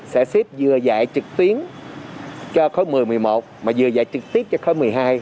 xếp vừa dạy trực tuyến cho khối một mươi một mươi một mà vừa dạy trực tiếp cho khối một mươi hai